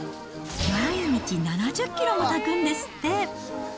毎日７０キロも炊くんですって。